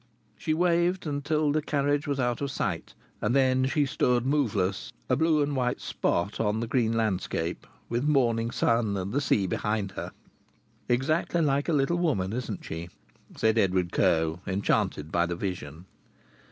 She waved until the carriage was out of sight, and then she stood moveless, a blue and white spot on the green landscape, with the morning sun and the sea behind her. "Exactly like a little woman, isn't she?" said Edward Coe, enchanted by the vision.